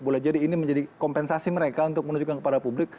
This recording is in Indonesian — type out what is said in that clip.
boleh jadi ini menjadi kompensasi mereka untuk menunjukkan kepada publik